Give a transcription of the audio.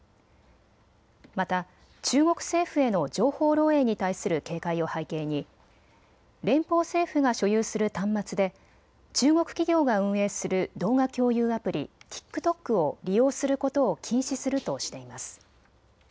また中国政府への情報漏えいに対する警戒を背景に連邦政府が所有する端末で中国企業が運営する動画共有アプリ、ＴｉｋＴｏｋを利用することを禁止するとしています。